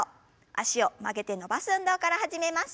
脚を曲げて伸ばす運動から始めます。